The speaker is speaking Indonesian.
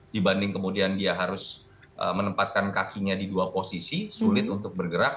dibanding kemudian dia harus menempatkan kakinya di dua posisi sulit untuk bergerak